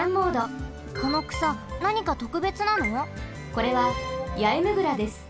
これはヤエムグラです。